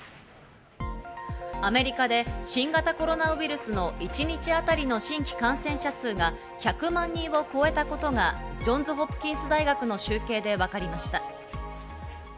アメリカで新型コロナウイルスの一日あたりの新規感染者数が１００万人を超えたことがジョンズ・ホプキンス大学の集計で分かりました。